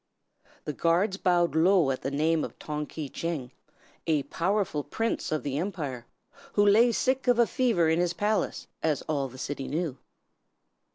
The guards bowed low at the name of Tong Ki Tcheng, a powerful Prince of the Empire, who lay sick of a fever in his palace, as all the city knew.